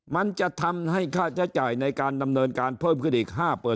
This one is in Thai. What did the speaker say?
มันจะทำให้ค่าใช้จ่ายในการดำเนินการเพิ่มขึ้นอีก๕